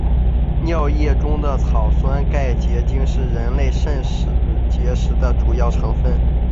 尿液中的草酸钙结晶是人类肾结石的主要成分。